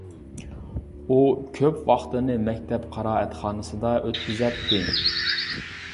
ئۇ كۆپ ۋاقتىنى مەكتەپ قىرائەتخانىسىدا ئۆتكۈزەتتى.